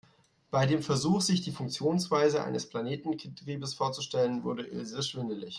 Bei dem Versuch, sich die Funktionsweise eines Planetengetriebes vorzustellen, wurde Ilse schwindelig.